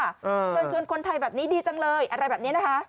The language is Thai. เชิญชวนคนไทยแบบนี้ดีจังเลยอะไรแบบนี้นะคะ